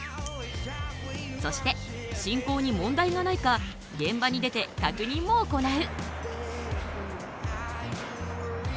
そして進行に問題がないか現場に出て確認も行う。